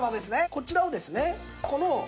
こちらをですねこの。